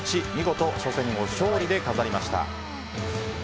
見事、初戦を勝利で飾りました。